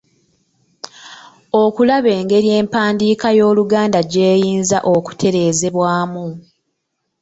Okulaba engeri empandiika y’oluganda gy’eyinza okutereezebwamu.